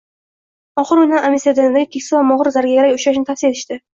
Oxiri unga Amsterdamdagi keksa va mohir zargarga uchrashni tavsiya etishdi